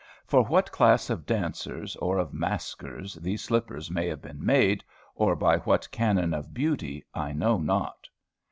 For what class of dancers or of maskers these slippers may have been made, or by what canon of beauty, I know not.